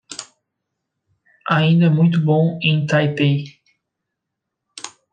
Ainda muito bom em Taipei